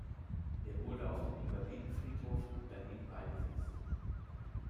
Er wurde auf dem Invalidenfriedhof in Berlin beigesetzt.